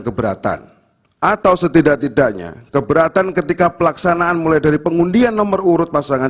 keberatan atau setidak tidaknya keberatan ketika pelaksanaan mulai dari pengundian nomor urut pasangan